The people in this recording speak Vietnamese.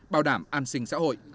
bảo đảm an sinh xã hội